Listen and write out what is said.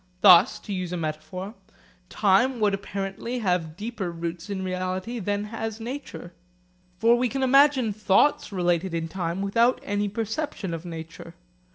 Thus, to use a metaphor, time would apparently have deeper roots in reality than has nature. For we can imagine thoughts related in time without any perception of nature.